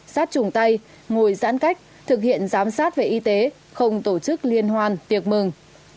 sát trùng tay ngồi giãn cách thực hiện giám sát về y tế không tổ chức liên hoan tiệc mừng